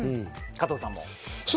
加藤さんも？